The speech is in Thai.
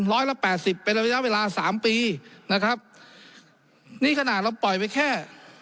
ร้อยละแปดสิบเป็นระยะเวลาสามปีนะครับนี่ขนาดเราปล่อยไปแค่